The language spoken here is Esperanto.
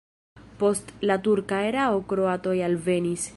Post la turka erao kroatoj alvenis.